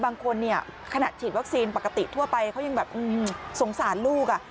บางคนเนี่ยขนาดฉีดวัคซีนปกติทั่วไปเขายังแบบสงสารลูก